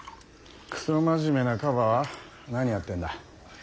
クソ真面目なカバは何やってんだ。